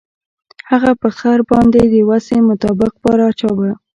هغه په خر باندې د وسې مطابق بار اچاوه.